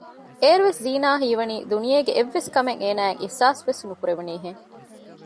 އޭރުވެސް ޒީނާ ހީވަނީ ދުނިޔޭގެ އެއްވެސްކަމެއް އޭނައަށް އިހްސާސް ވެސް ނުކުރެވެނީ ހެން